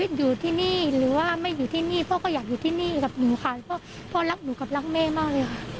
พ่อไม่ได้เห็นพ่อเลย